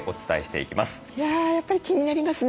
いややっぱり気になりますね。